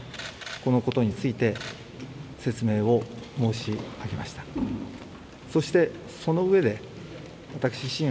このことについて説明を申し上げました。